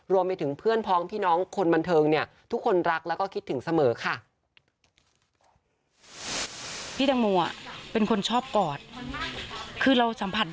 รวมไปถึงเพื่อนพ้องพี่น้องคนบันเทิงเนี่ยทุกคนรักแล้วก็คิดถึงเสมอค่ะ